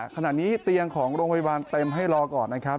ขณะนี้เตียงของโรงพยาบาลเต็มให้รอก่อนนะครับ